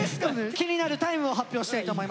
気になるタイムを発表したいと思います。